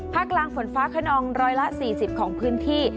ภาคกลางฝนฟ้าคนอง๑๔๐ของพื้นที่